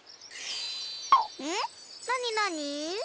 なになに？